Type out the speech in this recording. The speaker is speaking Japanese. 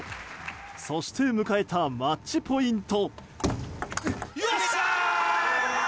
そして迎えたマッチポイント。